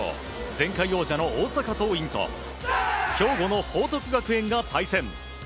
前回王者の大阪桐蔭と兵庫の報徳学園が対戦。